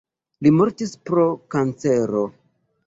Li mortis pro kancero.